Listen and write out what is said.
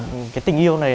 đối với tình yêu của các bạn